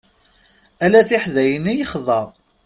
Ala tiḥdayin i yexḍa.